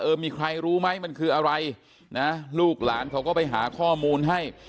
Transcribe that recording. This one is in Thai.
มีใครรู้ไหมมันคืออะไรนะลูกหลานเขาก็ไปหาข้อมูลให้